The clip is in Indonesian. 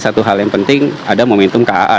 satu hal yang penting ada momentum kaa